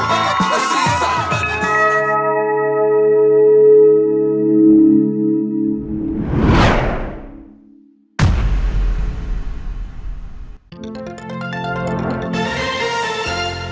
ครับอันนี้ก็คือสนุกที่นั่นครับโอ้โหสนุกที่นั่นครับ